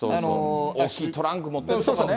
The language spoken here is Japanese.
大きいトランク持ってる人とかね。